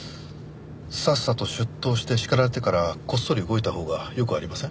さっさと出頭して叱られてからこっそり動いたほうがよくありません？